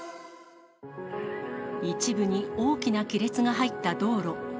一部に大きな亀裂が入った道路。